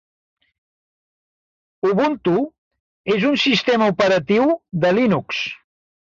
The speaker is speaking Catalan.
Ubuntu és un sistema operatiu de Linux.